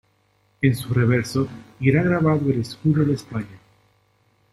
En su reverso irá grabado el escudo de España.